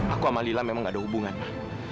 aku sama lila memang ada hubungan ma